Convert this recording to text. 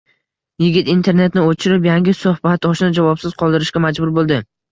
Yigit internetni o’chirib, yangi suhbatdoshini javobsiz qoldirishga majbur bo’ldi…